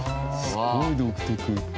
すごい独特。